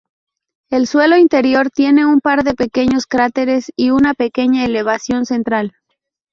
El suelo interior tiene un par de pequeños cráteres y una pequeña elevación central.